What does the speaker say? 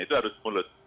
itu harus mulut